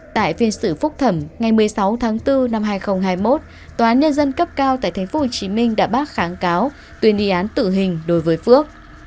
tại phiên xử phúc thẩm ngày một mươi sáu tháng bốn năm hai nghìn hai mươi một tòa án nhân dân cấp cao tại tp hcm đã bác kháng cáo tuyên y án tử hình đối với phước